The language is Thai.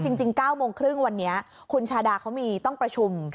จริง๙โมงครึ่งวันนี้คุณชาดาเขามีต้องประชุม